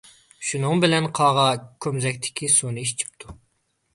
شۇنىڭ بىلەن قاغا كومزەكتىكى سۇنى ئىچىپتۇ.